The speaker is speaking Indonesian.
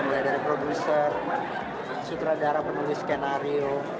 mulai dari produser sutradara penulis skenario